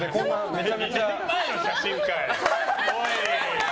めちゃめちゃ前の写真かい！